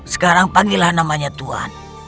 sekarang panggillah namanya tuhan